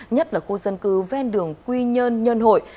nhất là khu dân cư ven đường quy nhơn nhơn hội